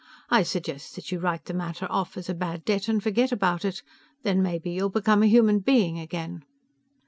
I suggest that you write the matter off as a bad debt and forget about it; then maybe you'll become a human being again."